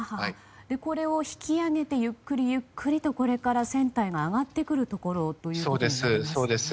これを引き揚げてゆっくりゆっくりと、これから船体が上がってくるということですね。